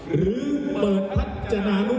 หรือเปิดทัศนา